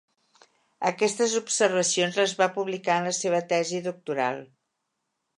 Aquestes observacions les va publicar en la seva tesi doctoral.